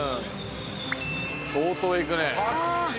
相当行くね。